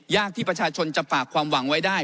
ที่ประชาชนจะฝากความหวังไว้ได้